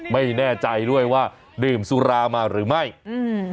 ไม่แน่ใจด้วยว่าดื่มสุรามาหรือไม่อืม